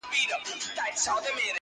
• لکه دروېش لکه د شپې قلندر -